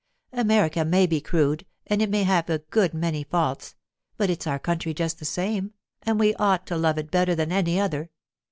America may be crude and it may have a good many faults, but it's our country just the same, and we ought to love it better than any other.